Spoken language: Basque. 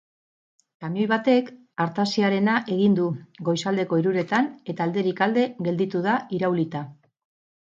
Kamioi batek artaziarena egin du goizaldeko hiruretan eta alderik alde gelditu da iraulita.